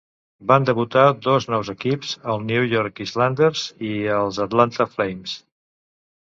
Van debutar dos nous equips, els New York Islanders i els Atlanta Flames.